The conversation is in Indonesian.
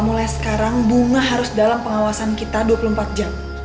mulai sekarang bunga harus dalam pengawasan kita dua puluh empat jam